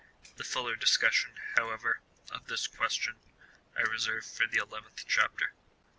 The fuller discussion, however, of this question I reserve for the 11th Chapter.